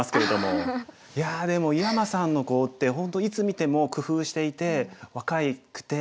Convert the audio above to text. いやでも井山さんの碁って本当いつ見ても工夫していて若くて。